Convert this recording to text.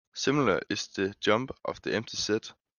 Similarly, is the th jump of the empty set.